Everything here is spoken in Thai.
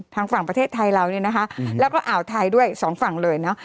ทางฝั่งประเทศไทยเราเนี่ยนะคะแล้วก็อ่าวไทยด้วยสองฝั่งเลยเนอะ